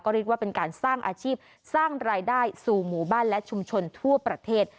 เรียกว่าเป็นการสร้างอาชีพสร้างรายได้สู่หมู่บ้านและชุมชนทั่วประเทศ